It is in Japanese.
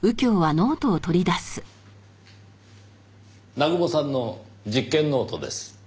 南雲さんの実験ノートです。